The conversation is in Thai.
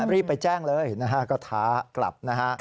รีบไปแจ้งเลยก็ทากลับ